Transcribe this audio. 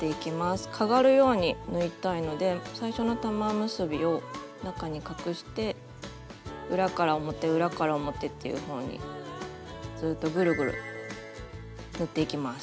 かがるように縫いたいので最初の玉結びを中に隠して裏から表裏から表っていうほうにずっとぐるぐる縫っていきます。